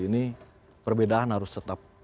ini perbedaan harus tetap